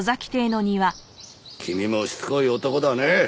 君もしつこい男だね。